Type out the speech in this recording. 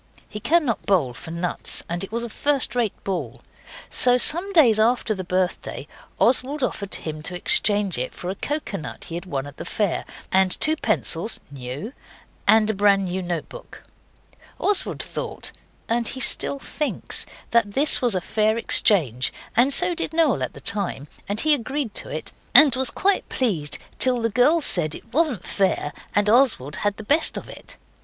He cannot bowl for nuts, and it was a first rate ball. So some days after the birthday Oswald offered him to exchange it for a coconut he had won at the fair, and two pencils (new), and a brand new note book. Oswald thought, and he still thinks, that this was a fair exchange, and so did Noel at the time, and he agreed to it, and was quite pleased till the girls said it wasn't fair, and Oswald had the best of it.